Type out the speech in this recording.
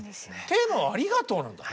テーマは「ありがとう」なんだ。